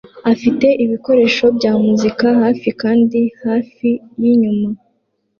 afite ibikoresho bya muzika hafi kandi hafi yinyuma